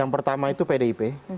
yang pertama itu pdip